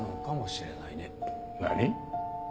何？